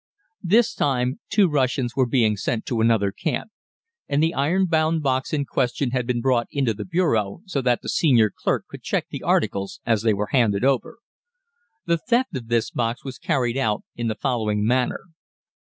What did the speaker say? This time two Russians were being sent to another camp, and the iron bound box in question had been brought into the bureau so that the senior clerk could check the articles as they were handed over. The theft of this box was carried out in the following manner.